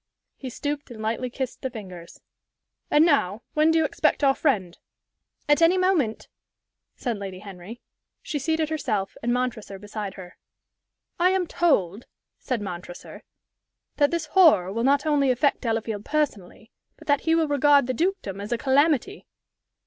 He stooped and lightly kissed the fingers. "And now, when do you expect our friend?" "At any moment," said Lady Henry. She seated herself, and Montresor beside her. "I am told," said Montresor, "that this horror will not only affect Delafield personally, but that he will regard the dukedom as a calamity."